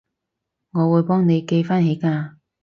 我會幫你記返起㗎